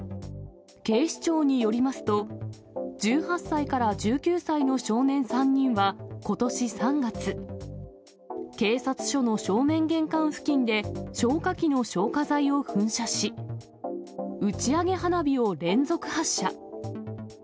警視庁によりますと、１８歳から１９歳の少年３人はことし３月、警察署の正面玄関付近で消火器の消火剤を噴射し、打ち上げ花火を連続発射。